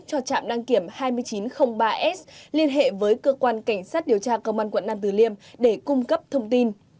cho trạm đăng kiểm hai nghìn chín trăm linh ba s liên hệ với cơ quan cảnh sát điều tra công an quận nam tử liêm để cung cấp thông tin